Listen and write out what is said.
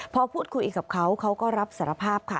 พอพูดคุยกับเขาเขาก็รับสารภาพค่ะ